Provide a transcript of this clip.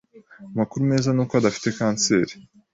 Amakuru meza nuko udafite kanseri.